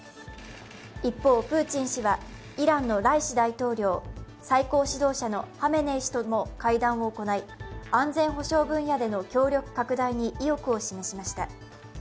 一方、プーチン氏はイランのライシ大統領、最高指導者のハメネイ師とも会談を行い、安全保障分野での協力拡大に意欲を示しました。